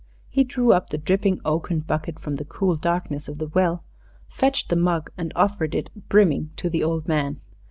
He drew up the dripping oaken bucket from the cool darkness of the well, fetched the mug, and offered it brimming to the old man.